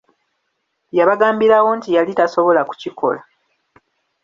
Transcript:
Yabagambirawo nti yali tasobola kukikola!